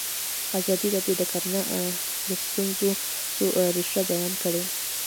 ازادي راډیو د کرهنه د ستونزو رېښه بیان کړې.